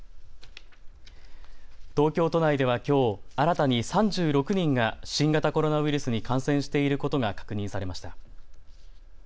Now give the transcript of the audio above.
東京都内ではきょう新たに３６人が新型コロナウイルスに感染していることが確認されました。